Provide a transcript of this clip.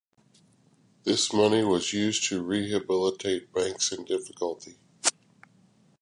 This money was used to rehabilitate banks in difficulty.